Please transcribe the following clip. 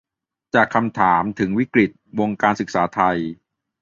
จากคำถามถึงวิกฤติ วงการศึกษาไทย